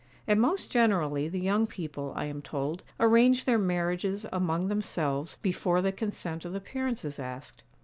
And most generally the young people, I am told, arrange their marriages among themselves before the consent of the parents is asked.